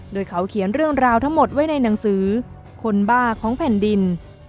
โดยเขาเขียนเรื่องราวทั้งหมดไว้ในหนังสือคนบ้าของแผ่นดิน